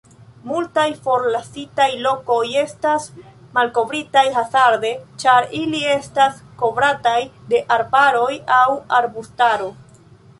Multaj forlasitaj lokoj estas malkovritaj hazarde ĉar ili estas kovrataj de arbaro au arbustaro.